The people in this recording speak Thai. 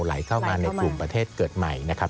ไหลเข้ามาในกลุ่มประเทศเกิดใหม่นะครับ